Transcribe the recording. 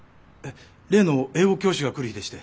例の英語教師が来る日でして。